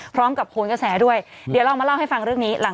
พร้อมกับโคนกระแสด้วยเดี๋ยวเราเอามาเล่าให้ฟังเรื่องนี้หลัง